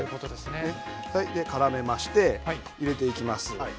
からめまして入れていきます。